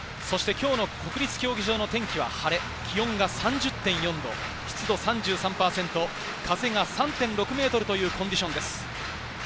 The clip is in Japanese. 今日の国立競技場の天気は晴れ、気温が３０．４度、湿度３３％、風が３．６メートルというコンディションです。